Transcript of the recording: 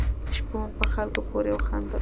شپون په خلکو پورې وخندل.